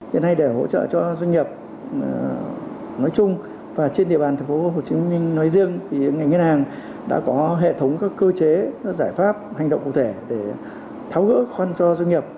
hiện nay để hỗ trợ cho doanh nghiệp nói chung và trên địa bàn tp hcm nói riêng thì ngành ngân hàng đã có hệ thống các cơ chế giải pháp hành động cụ thể để tháo gỡ khoan cho doanh nghiệp